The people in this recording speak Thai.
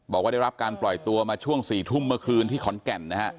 บอกว่าได้รับการปล่อยตัวมาช่วง๔ทุ่มเมื่อคืนที่ขอนแก่นนะฮะ